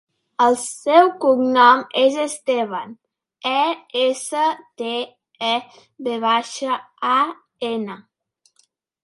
El seu cognom és Estevan: e, essa, te, e, ve baixa, a, ena.